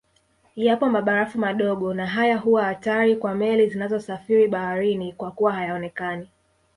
Yapo mabarafu madogo na haya huwa hatari kwa meli zinazosafiri baharini kwakuwa hayaonekani